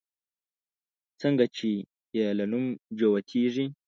څنگه چې يې له نوم جوتېږي